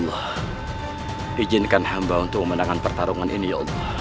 akan aku keluarkan cara terakhirku